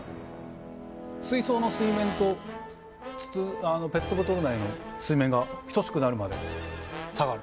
水槽の水面とペットボトル内の水面が等しくなるまで下がる。